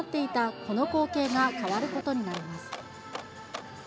この光景が変わることになります。